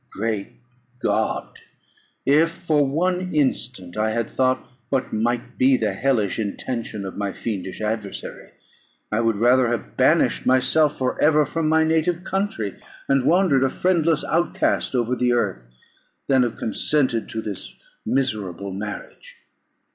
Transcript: Great God! if for one instant I had thought what might be the hellish intention of my fiendish adversary, I would rather have banished myself for ever from my native country, and wandered a friendless outcast over the earth, than have consented to this miserable marriage.